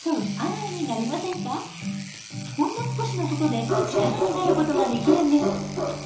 ほんの少しのことで力になることができるんです。